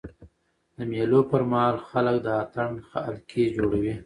د مېلو پر مهال خلک د اتڼ حلقې جوړوي.